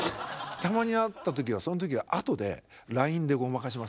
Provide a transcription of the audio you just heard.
たまにあった時はその時はあとでＬＩＮＥでごまかします。